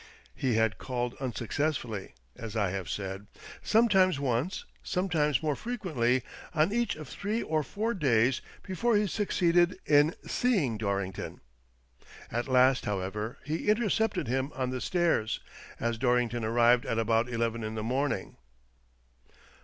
He had called unsuccessfully, as I have said, some times once, sometimes more frequently, on each of three or four days before he succeeded in seeing Dorrington. At last, however, he intercepted him on the stairs, as Dorrington arrived at about eleven in the morning.